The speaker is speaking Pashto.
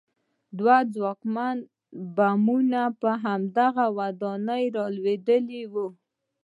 دوه ځواکمن بمونه په هماغه ودانۍ رالوېدلي وو